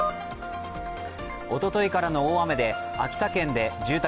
おとといからの大雨で秋田県で住宅